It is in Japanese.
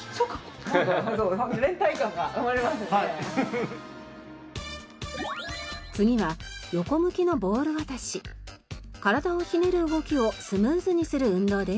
次は体をひねる動きをスムーズにする運動です。